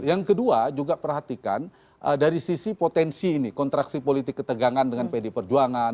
yang kedua juga perhatikan dari sisi potensi ini kontraksi politik ketegangan dengan pd perjuangan